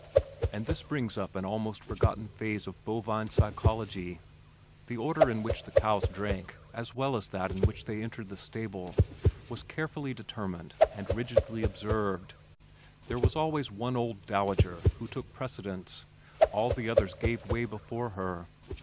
And this brings up an almost forgotten phase of bovine psychology. The order in which the cows drank as well as that in which they entered the stable was carefully determined and rigidly observed. There was always one old dowager who took precedence, all the others gave way before her.